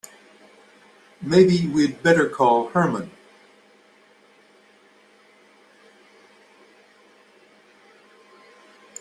Maybe we'd better call Herman.